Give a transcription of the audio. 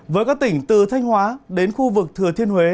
với các tỉnh từ thanh hóa đến khu vực thừa thiên huế